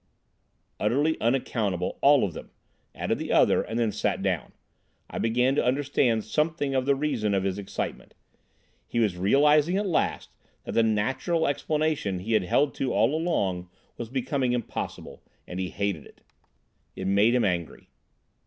"Utterly unaccountable—all of them," added the other, and then sat down. I began to understand something of the reason of his excitement. He was realising at last that the "natural" explanation he had held to all along was becoming impossible, and he hated it. It made him angry.